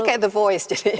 ini kayak the voice jadi